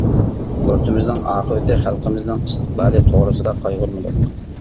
يۇرتىمىزنىڭ ئاقىۋىتى، خەلقىمىزنىڭ ئىستىقبالى توغرىسىدا قايغۇرمىدۇق.